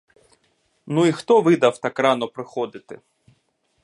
Ну й хто видав так рано приходити?